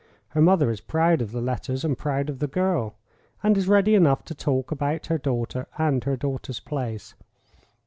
Her mother is proud of the letters and proud of the girl, and is ready enough to talk about her daughter and her daughter's place.